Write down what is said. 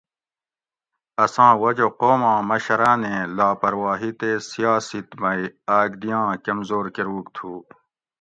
اساں وجہ قوماں مشراۤنیں لاپرواہی تے سیاسِت مئی اکدیاں کمزور کۤروگ تُھو